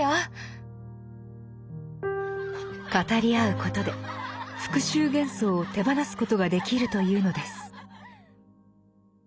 語り合うことで復讐幻想を手放すことができるというのです。